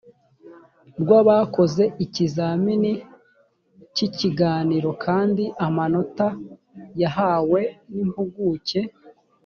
rw abakoze ikizamini cy ikiganiro kandi amanota yahawe n impuguke